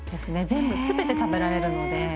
全部全て食べられるので。